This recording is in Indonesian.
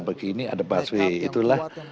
begini ada busway itulah